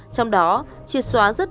trong đó triệt xóa rất điên